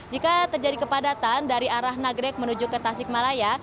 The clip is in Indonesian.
jika terjadi kepadatan dari arah nagrek menuju ke tasikmalaya